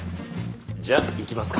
じゃあ行きますか。